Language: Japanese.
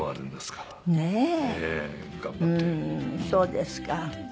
そうですか。